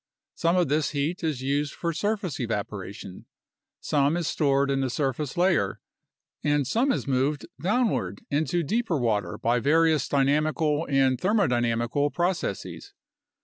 Some of this heat is used for surface evaporation, some is stored in the surface layer, and some is moved downward into deeper water by various dynamical and thermodynamical processes.